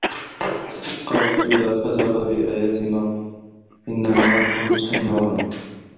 قالَ كَلّا فَاذهَبا بِآياتِنا إِنّا مَعَكُم مُستَمِعونَ